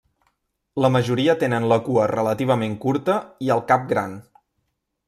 La majoria tenen la cua relativament curta i el cap gran.